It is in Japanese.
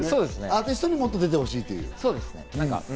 アーティストにもっと映ってほしい。